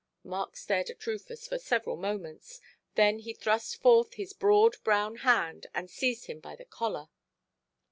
Mark stared at Rufus for several moments, then he thrust forth his broad brown hand and seized him by the collar.